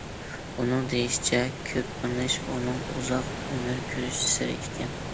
ئۇنىڭ دېيىشىچە، كۆپ مېڭىش ئۇنىڭ ئۇزاق ئۆمۈر كۆرۈش سىرى ئىكەن.